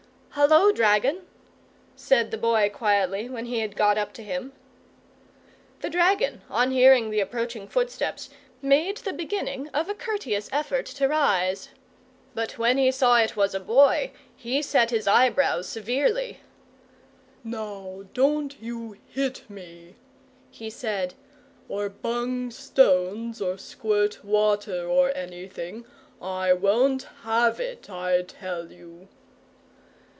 "Hullo, dragon!" said the Boy, quietly, when he had got up to him. The dragon, on hearing the approaching footsteps, made the beginning of a courteous effort to rise. But when he saw it was a Boy, he set his eyebrows severely. "Now don't you hit me," he said; "or bung stones, or squirt water, or anything. I won't have it, I tell you!"